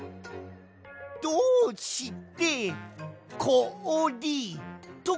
どうしてこおりとかすんだい？